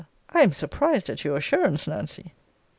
I am surprised at your assurance, Nancy!